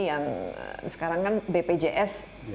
yang sekarang kan bpjs